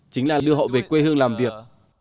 chính là đưa họ về quê hương làm việc